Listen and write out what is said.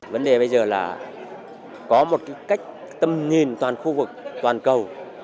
vấn đề bây giờ là có một cái cách tâm nhìn toàn khu vực toàn cầu